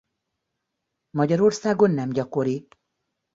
Magyarországon nem gyakori.